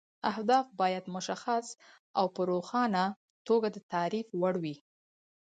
اهداف باید مشخص او په روښانه توګه د تعریف وړ وي.